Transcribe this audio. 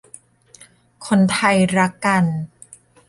คนไทยรักกัน